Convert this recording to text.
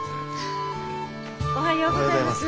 おはようございます。